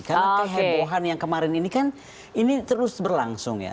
karena kehebohan yang kemarin ini kan ini terus berlangsung ya